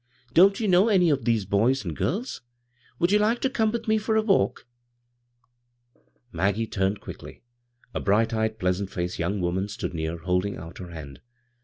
Don't you know any of these boys and girls ? Would you like to come with me for a walk ?" Maggie turned quickly. A bright eyed, pleasant faced young woman stood near, holding out her hand.